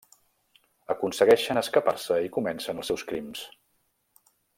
Aconsegueixen escapar-se i comencen els seus crims.